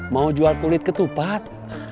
mau jual kulit ketupat